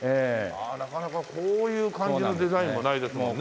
なかなかこういう感じのデザインもないですもんね。